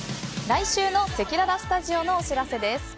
来週のせきららスタジオのお知らせです。